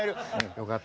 よかった。